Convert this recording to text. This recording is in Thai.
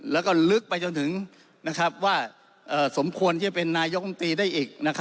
แล้วก็ลึกไปจนถึงว่าสมควรที่จะเป็นนายกรรมตรีได้อีก